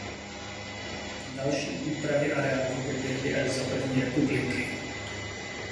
Další úpravy areálu proběhly až za první republiky.